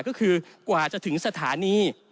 ก็คือกว่าจะถึงสถานี